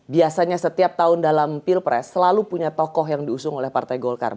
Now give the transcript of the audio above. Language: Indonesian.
biasanya setiap tahun dalam pilpres selalu punya tokoh yang diusung oleh partai golkar